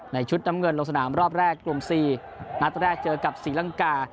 ชุดน้ำเงินลงสนามรอบแรกกลุ่ม๔นัดแรกเจอกับศรีลังกา